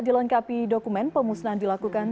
dilengkapi dokumen pemusnahan dilakukan